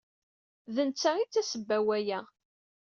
D netta ay d tasebba n waya.